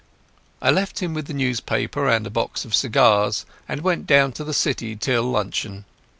I left him with the newspaper and a box of cigars, and went down to the City till luncheon.